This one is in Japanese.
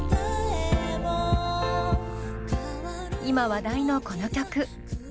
今話題のこの曲。